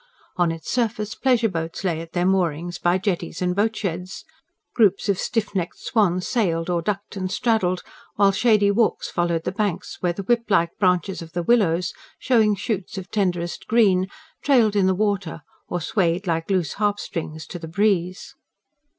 On its surface pleasure boats lay at their moorings by jetties and boatsheds; groups of stiff necked swans sailed or ducked and straddled; while shady walks followed the banks, where the whiplike branches of the willows, showing shoots of tenderest green, trailed in the water or swayed like loose harp strings to the breeze.